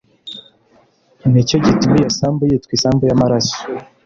ni cyo gituma iyo sambu yitwa isambu y amaraso